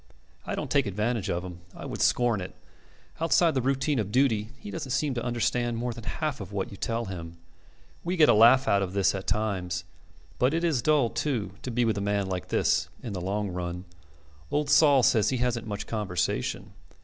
I don't take advantage of him. I would scorn it. Outside the routine of duty he doesn't seem to understand more than half of what you tell him. We get a laugh out of this at times; but it is dull, too, to be with a man like this in the long run. Old Sol says he hasn't much conversation.